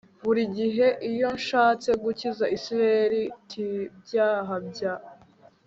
Buri gihe iyo nshatse gukiza Isirayeli t ibyaha bya